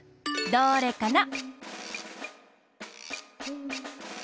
どれかな？